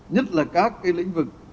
nhất là các lĩnh vực